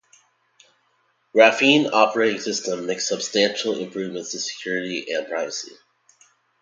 Graphene Operating System makes substantial improvements to security and privacy.